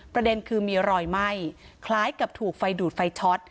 ประเด็นคือมีรอยไหม้คล้ายกับถูกไฟดูดไฟช็อต